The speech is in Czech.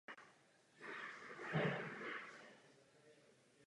Několik následujících let strávil v Německu kde se politicky formoval jako demokrat.